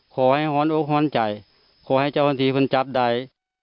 ขอให้ห้อนอุ๊กห้อนใจขอให้เจ้าทีฝนจับได้